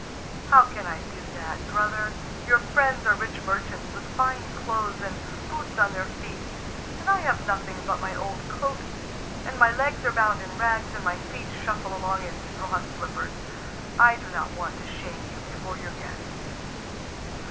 "How can I do that, brother? Your friends are rich merchants, with fine clothes, and boots on their feet. And I have nothing but my old coat, and my legs are bound in rags and my feet shuffle along in straw slippers. I do not want to shame you before your guests."